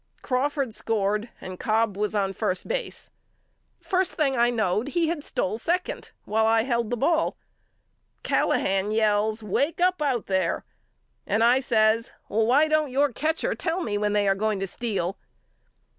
Crawford scored and Cobb was on first base. First thing I knowed he had stole second while I held the ball. Callahan yells Wake up out there and I says Why don't your catcher tell me when they are going to steal.